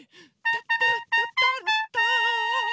タッタラッタターラッター！